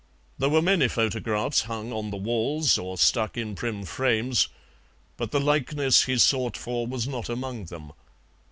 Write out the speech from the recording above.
There were many photographs hung on the walls, or stuck in prim frames, but the likeness he sought for was not among them.